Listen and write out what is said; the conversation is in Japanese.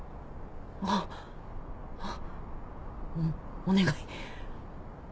あっおお願い。